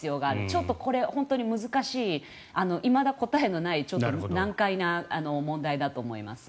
ちょっとこれ、本当に難しいいまだ答えのないちょっと難解な問題だと思います。